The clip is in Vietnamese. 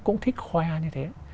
cũng thích khoe như thế